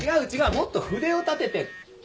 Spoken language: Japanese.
もっと筆を立ててこう！